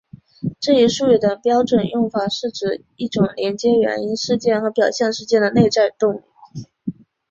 这一术语的标准用法是指一种连接原因事件和表象事件的内在动力。